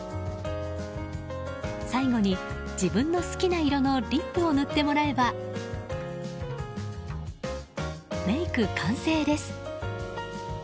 最後に自分の好きな色のリップを塗ってもらえばメイク完成です。